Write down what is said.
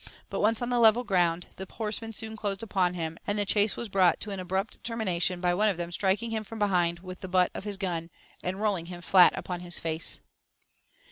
But once on the level ground, the horsemen soon closed upon him, and the chase was brought to an abrupt termination by one of them striking him from behind with the butt of his gun, and rolling him flat upon his face.